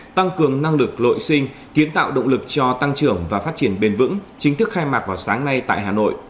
tăng cường năng lực lội sinh kiến tạo động lực cho tăng trưởng và phát triển bền vững chính thức khai mạc vào sáng nay tại hà nội